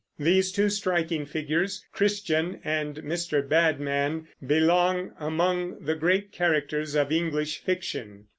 These two striking figures, Christian and Mr. Badman, belong among the great characters of English fiction.